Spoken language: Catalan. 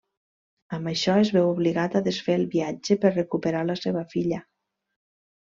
Amb això es veu obligat a desfer el viatge per recuperar la seva filla.